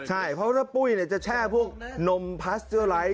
ใช่เพราะว่าถ้าปุ้ยจะแช่พวกนมพลาสเตอร์ไลท์